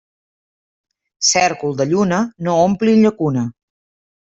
Cèrcol de lluna no ompli llacuna.